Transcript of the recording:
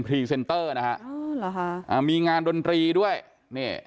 รีเซนเตอร์นะฮะอ๋อเหรอฮะอ่ามีงานดนตรีด้วยนี่